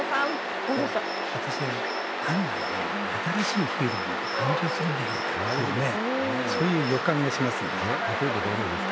私は案外ね、新しいヒーローが誕生するんじゃないかっていうね、そういう予感例えば誰ですか？